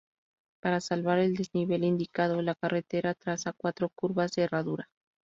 Para salvar el desnivel indicado, la carretera traza cuatro curvas de herradura.